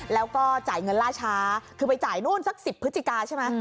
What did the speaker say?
แล้วก็จ่ายเงินล่าช้าคือไปจ่ายนู่นสัก๑๐พฤศจิกาใช่ไหม